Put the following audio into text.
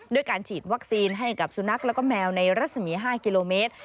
ด้วยการฉีดวัคซีนให้กับสุนัขแล้วก็แมวในรัศมี๕กิโลเมตร